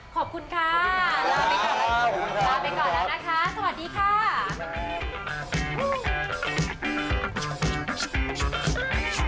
ขอบคุณค่ะลาไปก่อนแล้วนะคะสวัสดีค่ะ